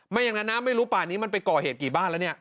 อย่างนั้นนะไม่รู้ป่านี้มันไปก่อเหตุกี่บ้านแล้วเนี่ย